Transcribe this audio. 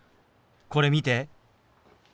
これ見て。